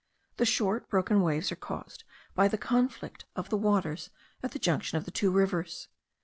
The short, broken waves are caused by the conflict of the waters at the junction of the two rivers.